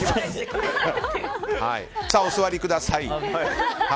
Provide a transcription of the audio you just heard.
お座りください。